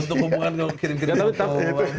untuk hubungan yang kirim kirim